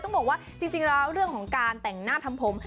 ต้องบอกว่าจริงแล้วเรื่องของการแต่งหน้าทำผม